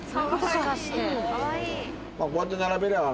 こうやって並べりゃあ。